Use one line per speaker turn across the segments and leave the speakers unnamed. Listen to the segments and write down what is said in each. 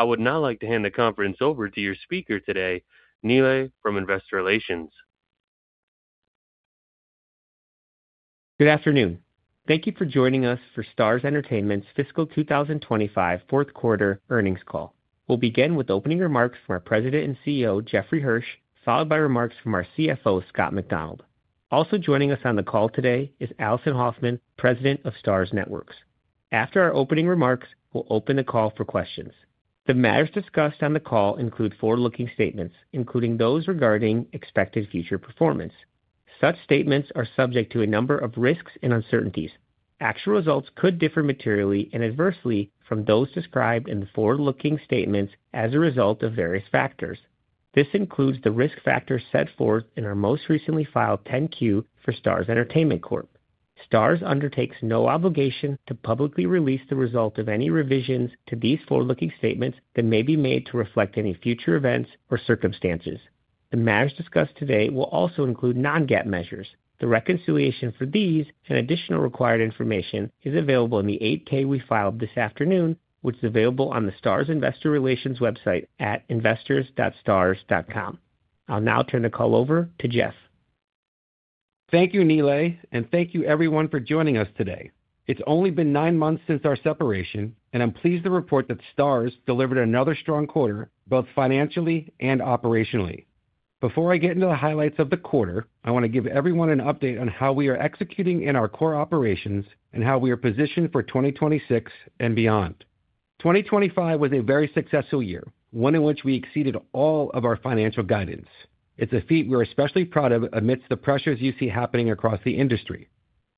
I would now like to hand the conference over to your speaker today, Nilay from Investor Relations.
Good afternoon. Thank you for joining us for Starz Entertainment's fiscal 2025 fourth quarter earnings call. We'll begin with opening remarks from our President and CEO, Jeffrey Hirsch, followed by remarks from our CFO, Scott Macdonald. Also joining us on the call today is Alison Hoffman, President of STARZ Networks. After our opening remarks, we'll open the call for questions. The matters discussed on the call include forward-looking statements, including those regarding expected future performance. Such statements are subject to a number of risks and uncertainties. Actual results could differ materially and adversely from those described in the forward-looking statements as a result of various factors. This includes the risk factors set forth in our most recently filed 10-Q for Starz Entertainment Corp. Starz undertakes no obligation to publicly release the result of any revisions to these forward-looking statements that may be made to reflect any future events or circumstances. The matters discussed today will also include non-GAAP measures. The reconciliation for these and additional required information is available in the 8-K we filed this afternoon, which is available on the Starz Investor Relations website at investors.starz.com. I'll now turn the call over to Jeff.
Thank you, Nilay, and thank you everyone for joining us today. It's only been nine months since our separation, and I'm pleased to report that STARZ delivered another strong quarter, both financially and operationally. Before I get into the highlights of the quarter, I want to give everyone an update on how we are executing in our core operations and how we are positioned for 2026 and beyond. 2025 was a very successful year, one in which we exceeded all of our financial guidance. It's a feat we're especially proud of amidst the pressures you see happening across the industry.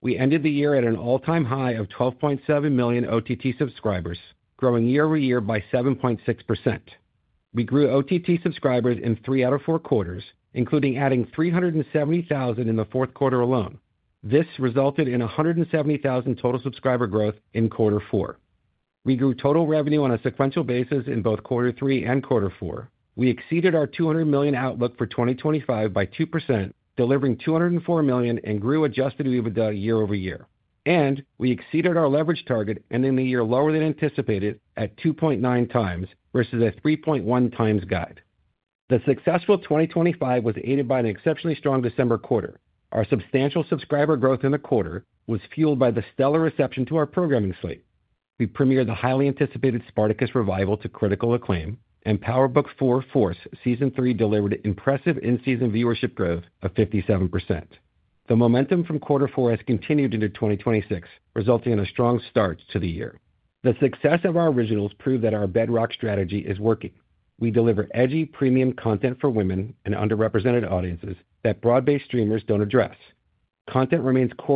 We ended the year at an all-time high of 12.7 million OTT subscribers, growing year-over-year by 7.6%. We grew OTT subscribers in three out of four quarters, including adding 370,000 in the fourth quarter alone. This resulted in 170,000 total subscriber growth in Q4. We grew total revenue on a sequential basis in both Q3 and Q4. We exceeded our $200 million outlook for 2025 by 2%, delivering $204 million, and grew adjusted OIBDA year-over-year. We exceeded our leverage target, ending the year lower than anticipated at 2.9x versus a 3.1x guide. The successful 2025 was aided by an exceptionally strong December quarter. Our substantial subscriber growth in the quarter was fueled by the stellar reception to our programming slate. We premiered the highly anticipated Spartacus revival to critical acclaim, and Power Book IV: Force Season 3 delivered impressive in-season viewership growth of 57%. The momentum from Q4 has continued into 2026, resulting in a strong start to the year. The success of our originals prove that our bedrock strategy is working. We deliver edgy, premium content for women and underrepresented audiences that broad-based streamers don't address. As we look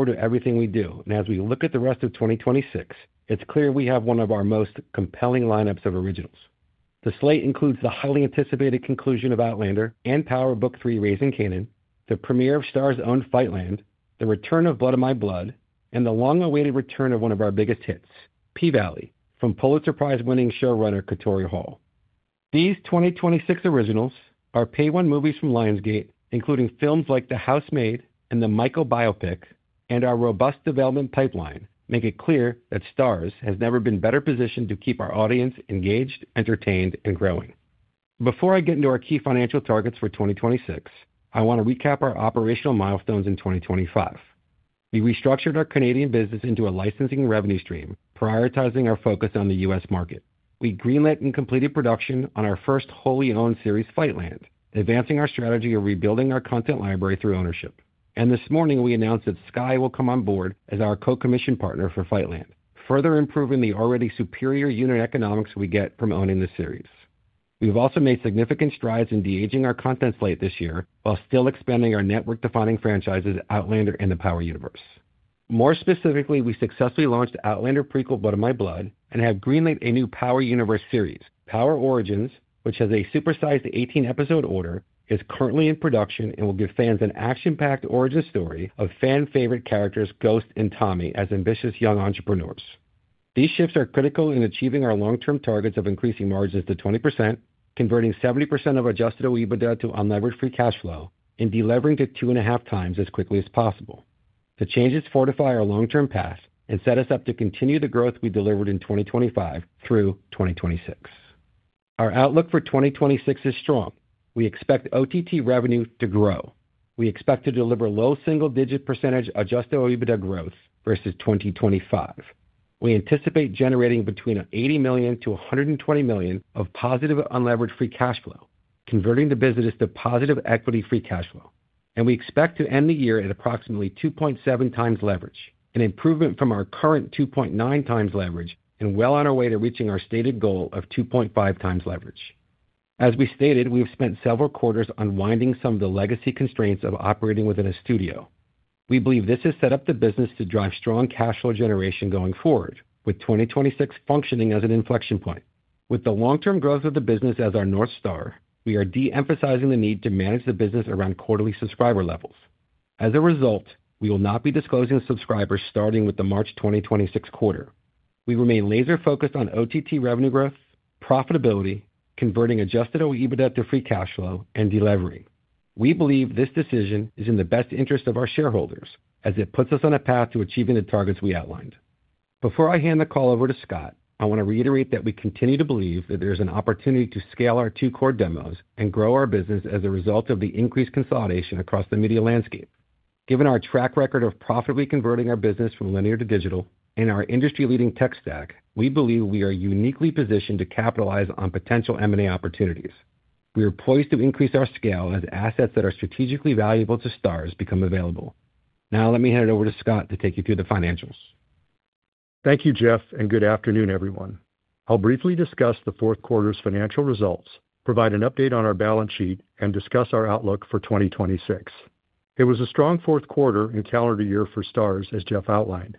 at the rest of 2026, it's clear we have one of our most compelling lineups of originals. The slate includes the highly anticipated conclusion of Outlander and Power Book III: Raising Kanan, the premiere of STARZ own Fightland, the return of Blood of My Blood, and the long-awaited return of one of our biggest hits, P-Valley, from Pulitzer Prize-winning showrunner Katori Hall. These 2026 originals Pay-One movies from Lionsgate, including films like The Housemaid and the Michael biopic, and our robust development pipeline make it clear that Starz has never been better positioned to keep our audience engaged, entertained, and growing. Before I get into our key financial targets for 2026, I want to recap our operational milestones in 2025. We restructured our Canadian business into a Licensing revenue stream, prioritizing our focus on the U.S. market. We greenlit and completed production on our first wholly owned series, Fightland, advancing our strategy of rebuilding our content library through ownership. This morning, we announced that Sky will come on board as our co-commission partner for Fightland, further improving the already superior unit economics we get from owning this series. We've also made significant strides in de-aging our content slate this year while still expanding our network-defining franchises, Outlander and the Power universe. More specifically, we successfully launched the Outlander prequel, Blood of My Blood, and have greenlit a new Power universe series. Power: Origins, which has a supersized 18-episode order, is currently in production and will give fans an action-packed origin story of fan favorite characters Ghost and Tommy as ambitious young entrepreneurs. These shifts are critical in achieving our long-term targets of increasing margins to 20%, converting 70% of adjusted OIBDA to unlevered free cash flow, and delevering to 2.5x as quickly as possible. The changes fortify our long-term path and set us up to continue the growth we delivered in 2025 through 2026. Our outlook for 2026 is strong. We expect OTT revenue to grow. We expect to deliver low single-digit percentage adjusted OIBDA growth versus 2025. We anticipate generating between $80 million-$120 million of positive unlevered free cash flow, converting the business to positive equity free cash flow. We expect to end the year at approximately 2.7x leverage, an improvement from our current 2.9x leverage and well on our way to reaching our stated goal of 2.5x leverage. As we stated, we've spent several quarters unwinding some of the legacy constraints of operating within a studio. We believe this has set up the business to drive strong cash flow generation going forward, with 2026 functioning as an inflection point. With the long-term growth of the business as our North Star, we are de-emphasizing the need to manage the business around quarterly subscriber levels. As a result, we will not be disclosing subscribers starting with the March 2026 quarter. We remain laser-focused on OTT revenue growth, profitability, converting adjusted OIBDA to free cash flow, and de-levering. We believe this decision is in the best interest of our shareholders, as it puts us on a path to achieving the targets we outlined. Before I hand the call over to Scott, I want to reiterate that we continue to believe that there's an opportunity to scale our two core demos and grow our business as a result of the increased consolidation across the media landscape. Given our track record of profitably converting our business from linear to digital and our industry-leading tech stack, we believe we are uniquely positioned to capitalize on potential M&A opportunities. We are poised to increase our scale as assets that are strategically valuable to Starz become available. Let me hand it over to Scott to take you through the financials.
Thank you, Jeff. Good afternoon, everyone. I'll briefly discuss the fourth quarter's financial results, provide an update on our balance sheet, and discuss our outlook for 2026. It was a strong fourth quarter and calendar year for Starz, as Jeff outlined.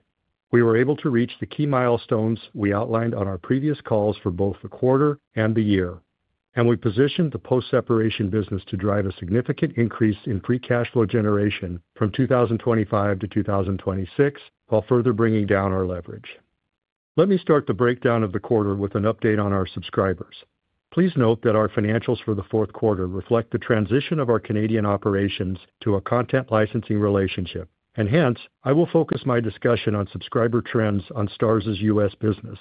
We were able to reach the key milestones we outlined on our previous calls for both the quarter and the year, and we positioned the post-separation business to drive a significant increase in free cash flow generation from 2025 to 2026, while further bringing down our leverage. Let me start the breakdown of the quarter with an update on our subscribers. Please note that our financials for the fourth quarter reflect the transition of our Canadian operations to a content licensing relationship, and hence, I will focus my discussion on subscriber trends on Starz's U.S. business.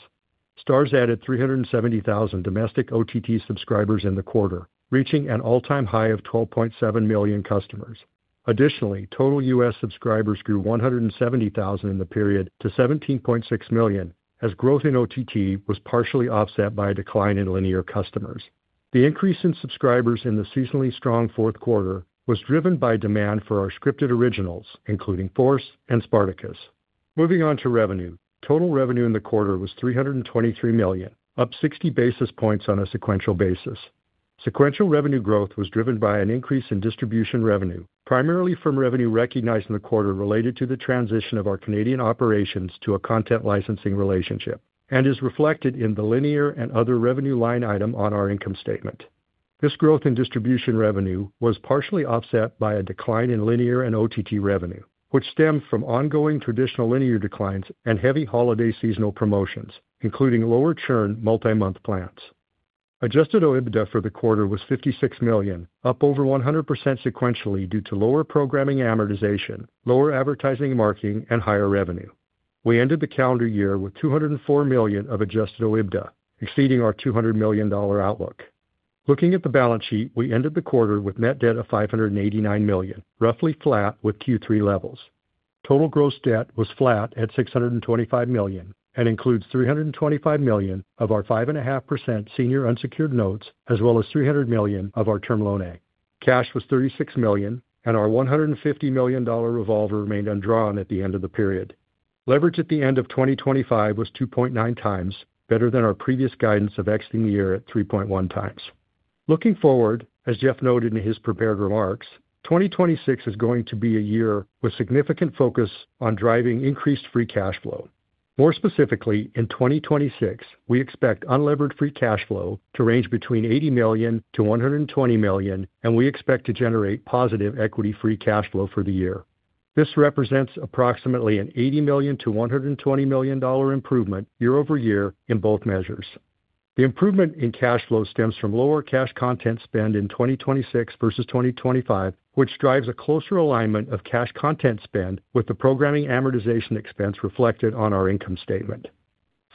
Starz added 370,000 domestic OTT subscribers in the quarter, reaching an all-time high of 12.7 million customers. Additionally, total U.S. subscribers grew 170,000 in the period to 17.6 million, as growth in OTT was partially offset by a decline in linear customers. The increase in subscribers in the seasonally strong fourth quarter was driven by demand for our scripted originals, including Force and Spartacus. Moving on to revenue. Total revenue in the quarter was $323 million, up 60 basis points on a sequential basis. Sequential revenue growth was driven by an increase in Distribution revenue, primarily from revenue recognized in the quarter related to the transition of our Canadian operations to a content licensing relationship and is reflected in the linear and other revenue line item on our income statement. This growth in Distribution revenue was partially offset by a decline in linear and OTT revenue, which stemmed from ongoing traditional linear declines and heavy holiday seasonal promotions, including lower churn multi-month plans. Adjusted OIBDA for the quarter was $56 million, up over 100% sequentially due to lower programming amortization, lower advertising marking, and higher revenue. We ended the calendar year with $204 million of adjusted OIBDA, exceeding our $200 million outlook. Looking at the balance sheet, we ended the quarter with net debt of $589 million, roughly flat with Q3 levels. Total gross debt was flat at $625 million and includes $325 million of our 5.5% senior unsecured notes, as well as $300 million of our Term Loan A. Cash was $36 million, and our $150 million revolver remained undrawn at the end of the period. Leverage at the end of 2025 was 2.9x, better than our previous guidance of exiting the year at 3.1x. Looking forward, as Jeff noted in his prepared remarks, 2026 is going to be a year with significant focus on driving increased free cash flow. More specifically, in 2026, we expect unlevered free cash flow to range between $80 million-$120 million, and we expect to generate positive equity free cash flow for the year. This represents approximately an $80 million-$120 million improvement year-over-year in both measures. The improvement in cash flow stems from lower cash content spend in 2026 versus 2025, which drives a closer alignment of cash content spend with the programming amortization expense reflected on our income statement.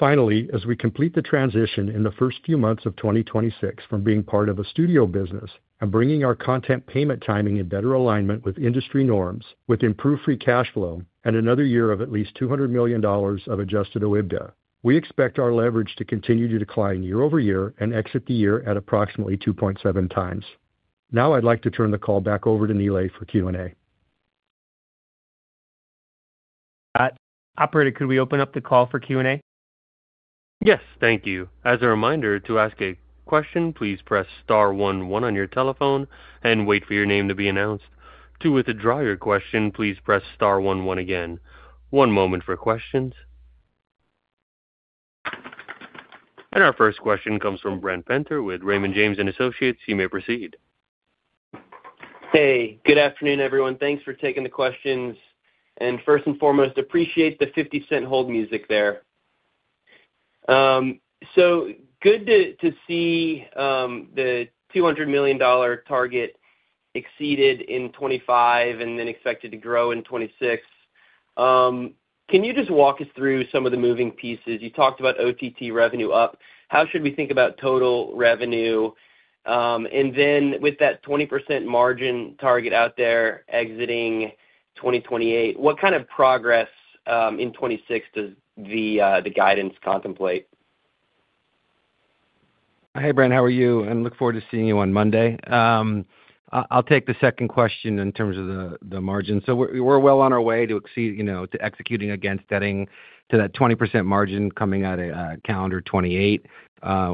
As we complete the transition in the first few months of 2026 from being part of a studio business and bringing our content payment timing in better alignment with industry norms, with improved free cash flow and another year of at least $200 million of adjusted OIBDA, we expect our leverage to continue to decline year-over-year and exit the year at approximately 2.7x. I'd like to turn the call back over to Nilay for Q&A.
Operator, could we open up the call for Q&A?
Yes, thank you. As a reminder, to ask a question, please press star one one on your telephone and wait for your name to be announced. To withdraw your question, please press star one one again. One moment for questions. Our first question comes from Brent Penter with Raymond James & Associates. You may proceed.
Hey, good afternoon, everyone. Thanks for taking the questions. First and foremost, appreciate the $0.50 hold music there. Good to see the $200 million target exceeded in 2025 and then expected to grow in 2026. Can you just walk us through some of the moving pieces? You talked about OTT revenue up. How should we think about total revenue? With that 20% margin target out there exiting 2028, what kind of progress in 2026 does the guidance contemplate?
Hey, Brent, how are you? I look forward to seeing you on Monday. I'll take the second question in terms of the margin. We're well on our way to exceed, you know, to executing against getting to that 20% margin coming out of calendar 2028.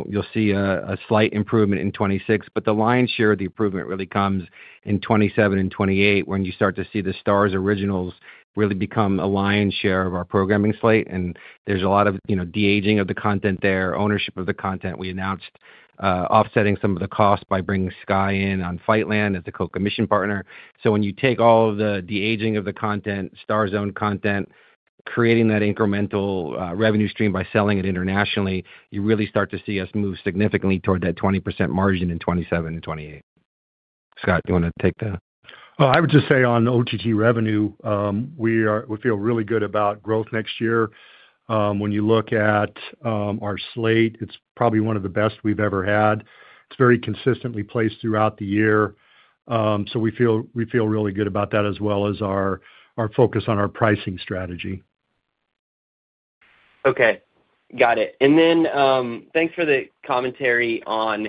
You'll see a slight improvement in 2026. The lion's share of the improvement really comes in 2027 and 2028, when you start to see the Starz originals really become a lion's share of our programming slate, and there's a lot of, you know, de-aging of the content there, ownership of the content. We announced offsetting some of the costs by bringing Sky in on Fightland as the co-commission partner. When you take all the de-aging of the content, STARZ zone content-Creating that incremental revenue stream by selling it internationally, you really start to see us move significantly toward that 20% margin in 2027 and 2028. Scott, do you wanna take that?
I would just say on OTT revenue, we feel really good about growth next year. When you look at our slate, it's probably one of the best we've ever had. It's very consistently placed throughout the year. We feel really good about that as well as our focus on our pricing strategy.
Okay. Got it. Thanks for the commentary on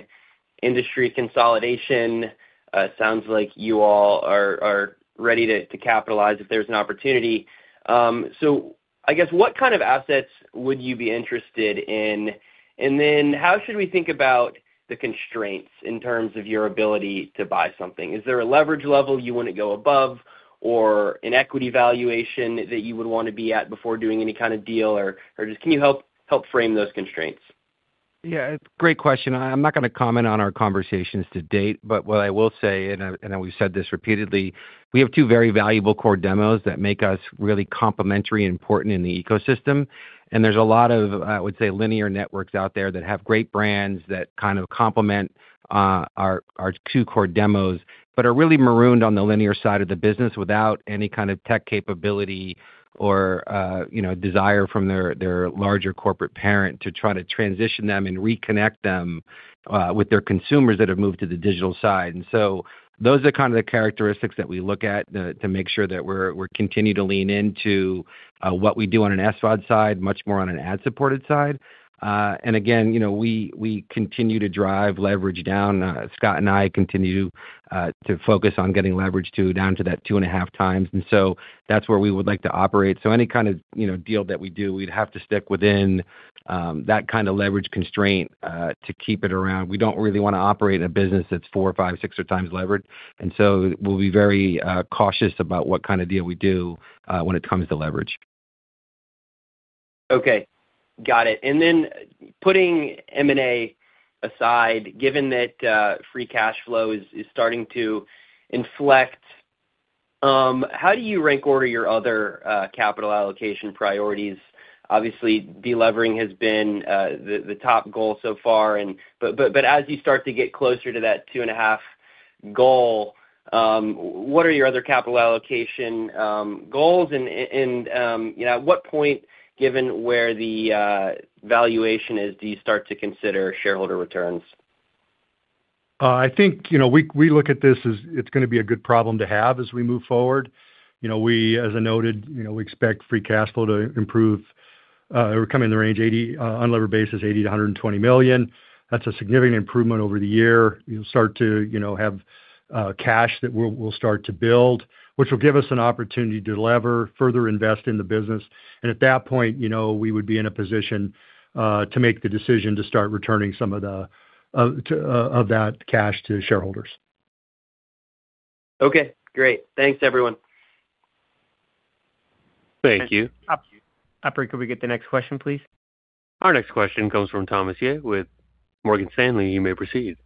industry consolidation. Sounds like you all are ready to capitalize if there's an opportunity. I guess what kind of assets would you be interested in? How should we think about the constraints in terms of your ability to buy something? Is there a leverage level you wanna go above or an equity valuation that you would wanna be at before doing any kind of deal? Or just can you help frame those constraints?
Yeah, great question. I'm not gonna comment on our conversations to date, but what I will say, and we've said this repeatedly, we have two very valuable core demos that make us really complementary and important in the ecosystem. There's a lot of, I would say, linear networks out there that have great brands that kind of complement our two core demos, but are really marooned on the linear side of the business without any kind of tech capability or, you know, desire from their larger corporate parent to try to transition them and reconnect them with their consumers that have moved to the digital side. Those are kind of the characteristics that we look at to make sure that we're continue to lean into what we do on an SVOD side, much more on an ad-supported side. Again, you know, we continue to drive leverage down. Scott and I continue to focus on getting leverage down to that 2.5x. That's where we would like to operate. Any kind of, you know, deal that we do, we'd have to stick within that kind of leverage constraint to keep it around. We don't really wanna operate in a business that's 4x, 5x, 6x levered, we'll be very cautious about what kind of deal we do when it comes to leverage.
Okay. Got it. Putting M&A aside, given that free cash flow is starting to inflect, how do you rank order your other capital allocation priorities? Obviously, de-levering has been the top goal so far but as you start to get closer to that 2.5x goal, what are your other capital allocation goals? You know, at what point, given where the valuation is, do you start to consider shareholder returns?
I think, you know, we look at this as it's gonna be a good problem to have as we move forward. You know, as I noted, you know, we expect free cash flow to improve, or come in the range unlevered basis, $80 million-$120 million. That's a significant improvement over the year. You'll start to, you know, have cash that we'll start to build, which will give us an opportunity to lever, further invest in the business. At that point, you know, we would be in a position to make the decision to start returning some of the of that cash to shareholders.
Okay, great. Thanks, everyone.
Thank you.
Operator, could we get the next question, please?
Our next question comes from Thomas Yeh with Morgan Stanley. You may proceed.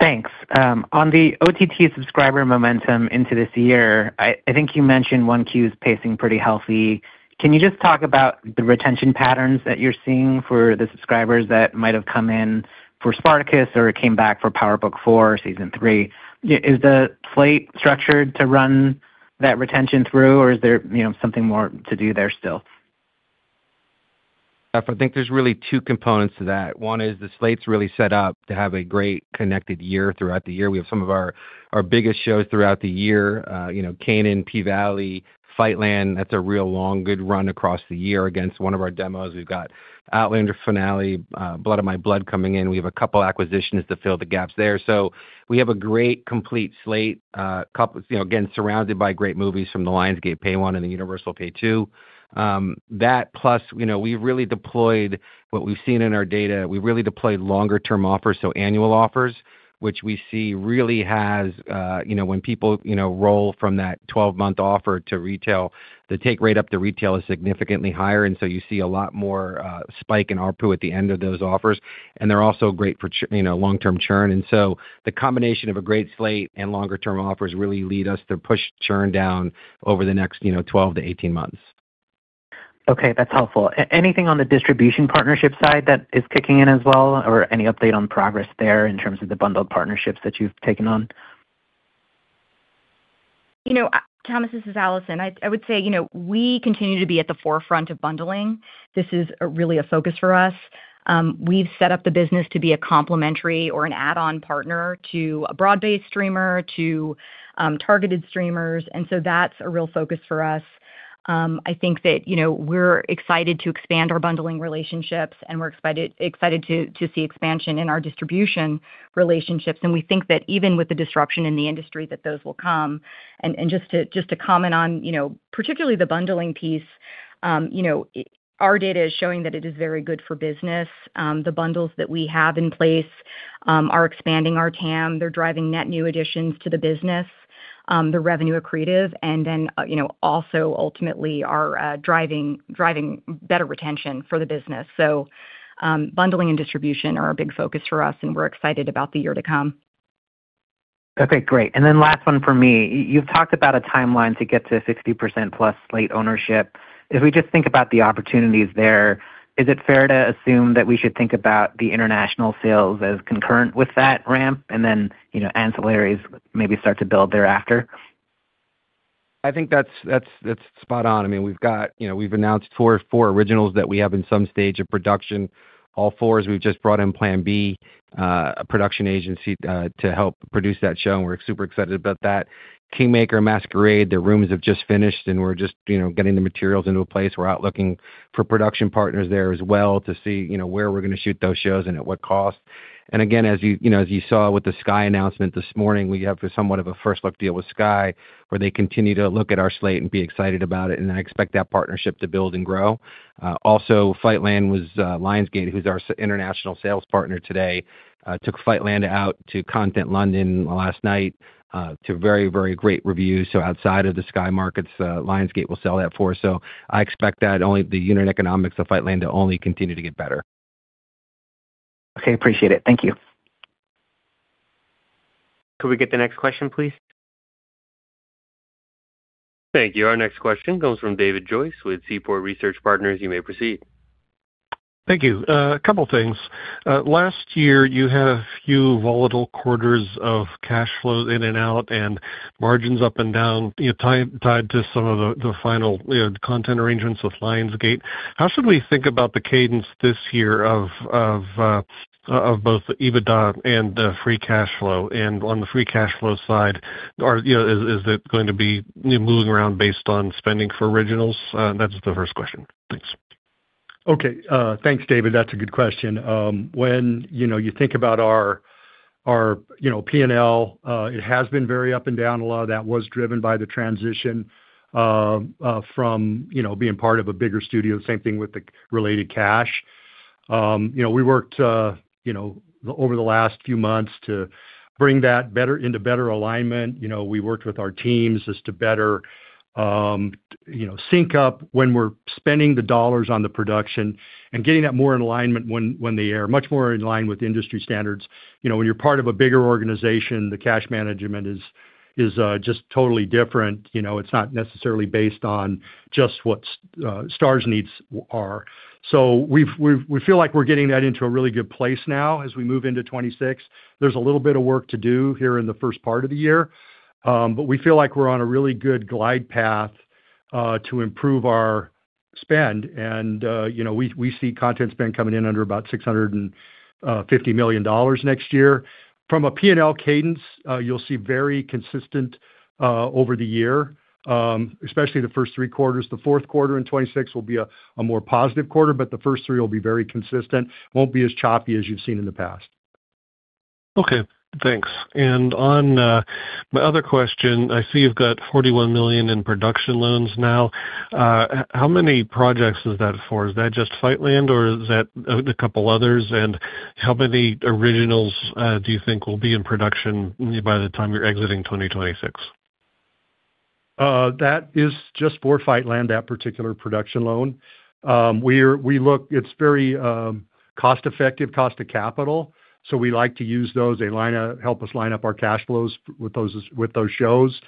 Thanks. On the OTT subscriber momentum into this year, I think you mentioned 1Q's pacing pretty healthy. Can you just talk about the retention patterns that you're seeing for the subscribers that might have come in for Spartacus or came back for Power Book IV Season 3? Is the slate structured to run that retention through, or is there, you know, something more to do there still?
I think there's really two components to that. One is the slate's really set up to have a great connected year throughout the year. We have some of our biggest shows throughout the year, you know, Kanan, P-Valley, Fightland. That's a real long, good run across the year against one of our demos. We've got Outlander finale, Blood of My Blood coming in. We have a couple acquisitions to fill the gaps there. We have a great complete slate, you know, again, surrounded by great movies from the Lionsgate Pay-One and the Universal Pay-Two. That plus, you know, we've really deployed what we've seen in our data. We've really deployed longer term offers, so annual offers, which we see really has, you know, when people, you know, roll from that 12-month offer to retail, the take rate up to retail is significantly higher, and so you see a lot more, spike in ARPU at the end of those offers. They're also great for you know, long-term churn. The combination of a great slate and longer term offers really lead us to push churn down over the next, you know, 12 to 18 months.
Okay. That's helpful. Anything on the Distribution partnership side that is kicking in as well, or any update on progress there in terms of the bundled partnerships that you've taken on?
You know, Thomas, this is Alison. I would say, you know, we continue to be at the forefront of bundling. This is really a focus for us. We've set up the business to be a complementary or an add-on partner to a broad-based streamer, to targeted streamers, that's a real focus for us. I think that, you know, we're excited to expand our bundling relationships, we're excited to see expansion in our Distribution relationships. We think that even with the disruption in the industry, that those will come. Just to comment on, you know, particularly the bundling piece, you know, our data is showing that it is very good for business. The bundles that we have in place are expanding our TAM. They're driving net new additions to the business. They're revenue accretive, you know, also ultimately are driving better retention for the business. Bundling and Distribution are a big focus for us, and we're excited about the year to come.
Okay, great. Last one for me. You've talked about a timeline to get to 60%+ slate ownership. If we just think about the opportunities there, is it fair to assume that we should think about the international sales as concurrent with that ramp and then, you know, ancillaries maybe start to build thereafter?
I think that's spot on. I mean, we've got. You know, we've announced four originals that we have in some stage of production. All four, we've just brought in Plan B, a production agency, to help produce that show, and we're super excited about that. Kingmaker, Masquerade, the rooms have just finished, and we're just, you know, getting the materials into a place. We're out looking for production partners there as well to see, you know, where we're gonna shoot those shows and at what cost. Again, as you know, as you saw with the Sky announcement this morning, we have somewhat of a first look deal with Sky where they continue to look at our slate and be excited about it, and I expect that partnership to build and grow. Also, Fightland was Lionsgate, who's our international sales partner today, took Fightland out to Content London last night, to very, very great reviews. Outside of the Sky markets, Lionsgate will sell that for us. I expect that only the unit economics of Fightland to only continue to get better.
Okay, appreciate it. Thank you.
Could we get the next question, please?
Thank you. Our next question comes from David Joyce with Seaport Research Partners. You may proceed.
Thank you. A couple things. Last year you had a few volatile quarters of cash flow in and out and margins up and down, you know, tied to some of the final, you know, content arrangements with Lionsgate. How should we think about the cadence this year of of both the EBITDA and the free cash flow? And on the free cash flow side, are, you know, is it going to be, you know, moving around based on spending for originals? That's the first question. Thanks.
Okay. Thanks, David. That's a good question. When, you know, you think about our, you know, P&L, it has been very up and down. A lot of that was driven by the transition from, you know, being part of a bigger studio, same thing with the related cash. You know, we worked, you know, over the last few months to bring that into better alignment. You know, we worked with our teams as to better, you know, sync up when we're spending the dollars on the production and getting that more in alignment when they air, much more in line with industry standards. You know, when you're part of a bigger organization, the cash management is just totally different. You know, it's not necessarily based on just what Starz needs are. We feel like we're getting that into a really good place now as we move into 2026. There's a little bit of work to do here in the first part of the year, but we feel like we're on a really good glide path to improve our spend. You know, we see content spend coming in under about $650 million next year. From a P&L cadence, you'll see very consistent over the year, especially the first three quarters. The fourth quarter in 2026 will be a more positive quarter, but the first three will be very consistent. Won't be as choppy as you've seen in the past.
Okay, thanks. On my other question, I see you've got $41 million in production loans now. How many projects is that for? Is that just Fightland or is that a couple others? How many originals do you think will be in production maybe by the time you're exiting 2026?
That is just for Fightland, that particular production loan. It's very cost-effective, cost to capital, so we like to use those. Help us line up our cash flows with those, with those shows.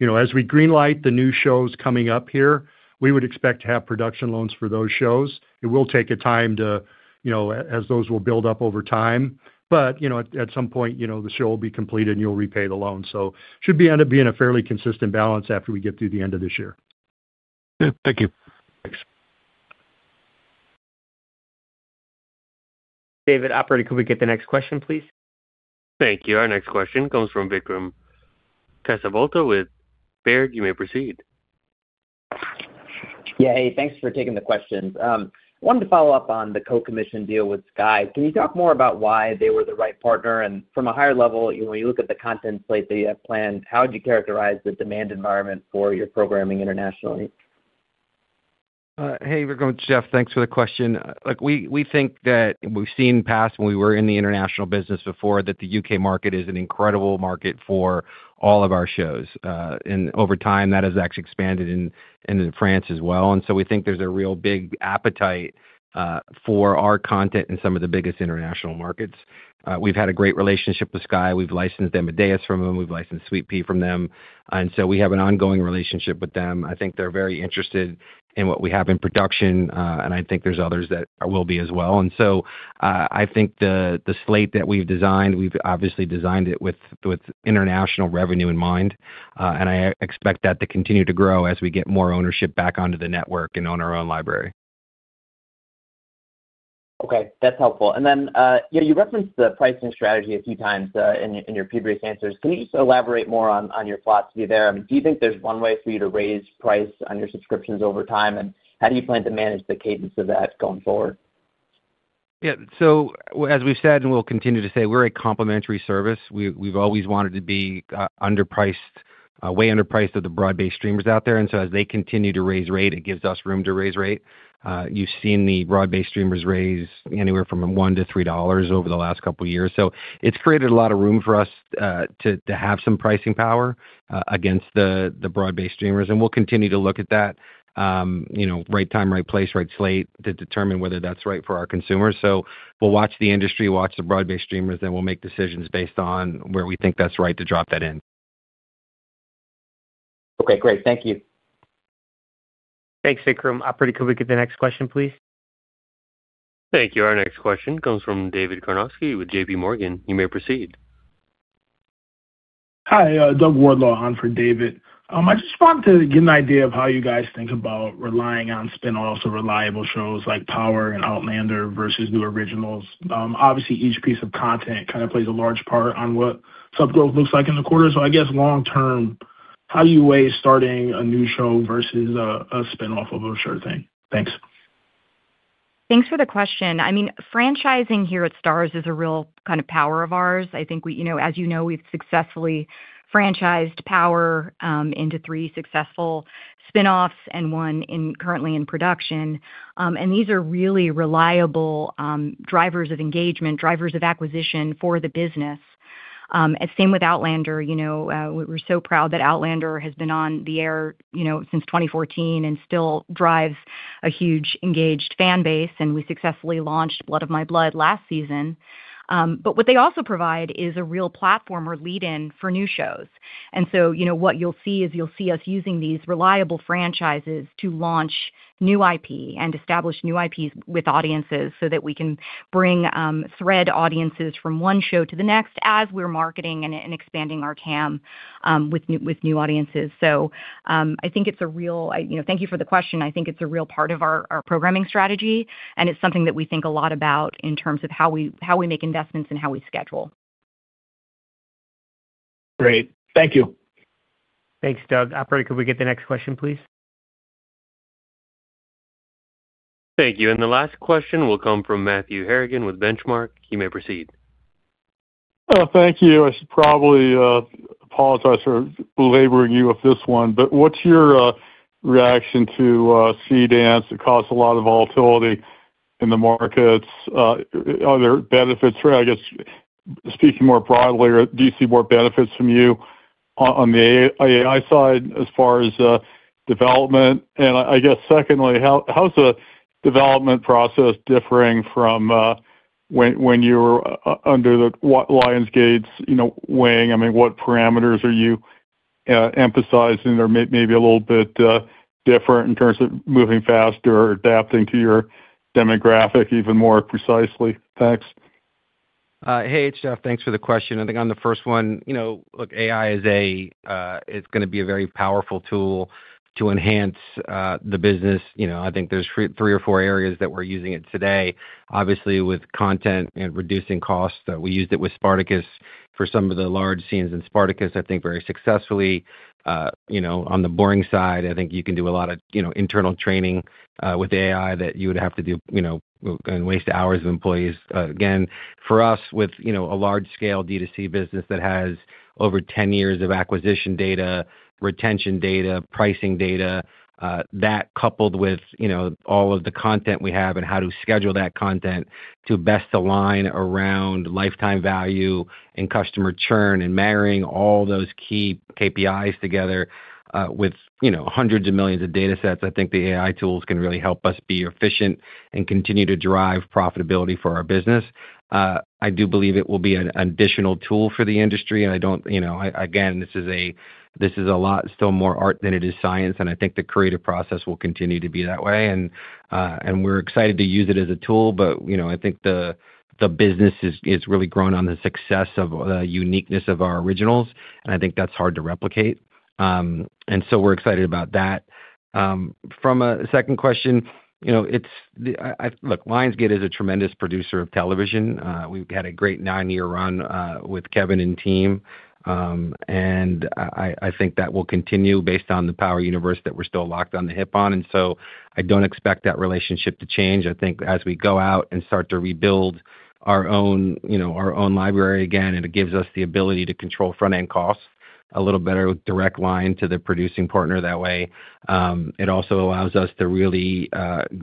You know, as we greenlight the new shows coming up here, we would expect to have production loans for those shows. It will take a time to, you know, as those will build up over time. You know, at some point, you know, the show will be complete and you'll repay the loan. Should be end up being a fairly consistent balance after we get through the end of this year.
Thank you.
Thanks.
David. Operator, could we get the next question, please?
Thank you. Our next question comes from Vikram Kesavabhotla with Baird. You may proceed.
Yeah. Hey, thanks for taking the questions. Wanted to follow up on the co-commission deal with Sky. Can you talk more about why they were the right partner? From a higher level, you know, when you look at the content slate that you have planned, how would you characterize the demand environment for your programming internationally?
Hey, Vikram. It's Jeff. Thanks for the question. Look, we think that we've seen in the past when we were in the international business before that the U.K. market is an incredible market for all of our shows. Over time, that has actually expanded in France as well. We think there's a real big appetite for our content in some of the biggest international markets. We've had a great relationship with Sky. We've licensed Amadeus from them, we've licensed Sweetpea from them, we have an ongoing relationship with them. I think they're very interested in what we have in production, and I think there's others that will be as well. I think the slate that we've designed, we've obviously designed it with international revenue in mind. I expect that to continue to grow as we get more ownership back onto the network and own our own library.
Okay, that's helpful. Then, yeah, you referenced the pricing strategy a few times, in your previous answers. Can you just elaborate more on your thoughts there? I mean, do you think there's one way for you to raise price on your subscriptions over time? How do you plan to manage the cadence of that going forward?
As we've said and we'll continue to say, we're a complementary service. We've always wanted to be underpriced, way underpriced to the broad-based streamers out there. As they continue to raise rate, it gives us room to raise rate. You've seen the broad-based streamers raise anywhere from $1-$3 over the last couple years. It's created a lot of room for us to have some pricing power against the broad-based streamers, and we'll continue to look at that, you know, right time, right place, right slate to determine whether that's right for our consumers. We'll watch the industry, watch the broad-based streamers, then we'll make decisions based on where we think that's right to drop that in.
Okay, great. Thank you.
Thanks, Vikram. Operator, could we get the next question, please?
Thank you. Our next question comes from David Karnovsky with JPMorgan. You may proceed.
Hi, Doug Wardlaw on for David Karnovsky. I just wanted to get an idea of how you guys think about relying on spin-offs of reliable shows like Power and Outlander versus new originals. Obviously, each piece of content kind of plays a large part on what sub-growth looks like in the quarter. I guess long term, how do you weigh starting a new show versus a spin-off of a sure thing? Thanks.
Thanks for the question. I mean, franchising here at Starz is a real kind of power of ours. I think we, you know, as you know, we've successfully franchised Power into three successful spin-offs and one currently in production. These are really reliable drivers of engagement, drivers of acquisition for the business. Same with Outlander. You know, we're so proud that Outlander has been on the air, you know, since 2014 and still drives a huge engaged fan base, and we successfully launched Blood of My Blood last season. What they also provide is a real platform or lead-in for new shows. You know, what you'll see is you'll see us using these reliable franchises to launch new IP and establish new IPs with audiences so that we can bring, thread audiences from one show to the next as we're marketing and expanding our TAM, with new audiences. You know, thank you for the question. I think it's a real part of our programming strategy, and it's something that we think a lot about in terms of how we make investments and how we schedule.
Great. Thank you.
Thanks, Doug. Operator, could we get the next question, please?
Thank you. The last question will come from Matthew Harrigan with Benchmark. You may proceed.
Thank you. I should probably apologize for belaboring you with this one, but what's your reaction to DeepSeek? It caused a lot of volatility in the markets. Are there benefits, or I guess, speaking more broadly, do you see more benefits from you on the AI side as far as development? I guess secondly, how's the development process differing from when you were under the, what, Lionsgate's, you know, wing? I mean, what parameters are you emphasizing or maybe a little bit different in terms of moving faster or adapting to your demographic even more precisely? Thanks.
Hey, Jeff, thanks for the question. I think on the first one, you know, look, AI is gonna be a very powerful tool to enhance the business. You know, I think there's three or four areas that we're using it today. Obviously, with content and reducing costs, we used it with Spartacus for some of the large scenes in Spartacus, I think very successfully. You know, on the boring side, I think you can do a lot of, you know, internal training with AI that you would have to do, you know, and waste hours of employees. Again, for us, with, you know, a large scale D2C business that has over 10 years of acquisition data, retention data, pricing data, that coupled with, you know, all of the content we have and how to schedule that content to best align around lifetime value and customer churn, and marrying all those key KPIs together, with, you know, hundreds of millions of datasets, I think the AI tools can really help us be efficient and continue to drive profitability for our business. I do believe it will be an additional tool for the industry, and I don't, you know, again, this is a lot still more art than it is science, and I think the creative process will continue to be that way. We're excited to use it as a tool, but, you know, I think the business is really grown on the success of the uniqueness of our originals, and I think that's hard to replicate. We're excited about that. From a second question, you know, Look, Lionsgate is a tremendous producer of television. We've had a great 9-year run with Kevin and team. I think that will continue based on the Power Universe that we're still locked on the hip on. I don't expect that relationship to change. I think as we go out and start to rebuild our own, you know, our own library again, and it gives us the ability to control front-end costs, a little better direct line to the producing partner that way. It also allows us to really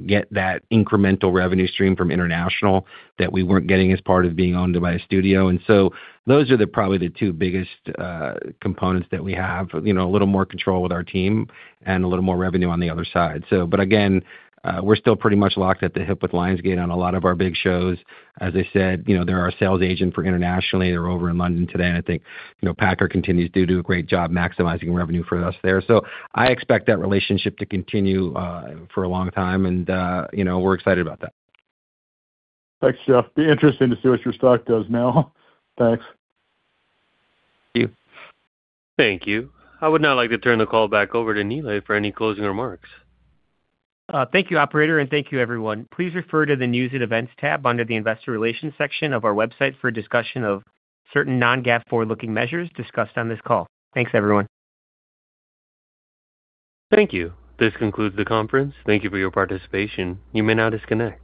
get that incremental revenue stream from international that we weren't getting as part of being owned by a studio. Those are the probably the two biggest components that we have, you know, a little more control with our team and a little more revenue on the other side. But again, we're still pretty much locked at the hip with Lionsgate on a lot of our big shows. As I said, you know, they're our sales agent for internationally. They're over in London today, and I think, you know, Packer continues to do a great job maximizing revenue for us there. I expect that relationship to continue for a long time, and, you know, we're excited about that.
Thanks, Jeff. Be interesting to see what your stock does now. Thanks.
Thank you.
Thank you. I would now like to turn the call back over to Nilay for any closing remarks.
Thank you, operator, and thank you, everyone. Please refer to the News and Events tab under the Investor Relations section of our website for a discussion of certain non-GAAP forward-looking measures discussed on this call. Thanks, everyone.
Thank you. This concludes the conference. Thank you for your participation. You may now disconnect.